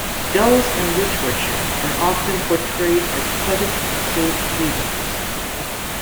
Dells in literature are often portrayed as pleasant safe havens.